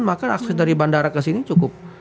maka akses dari bandara kesini cukup